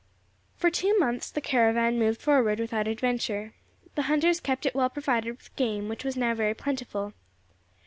For two months the caravan moved forward without adventure. The hunters kept it well provided with game, which was now very plentiful.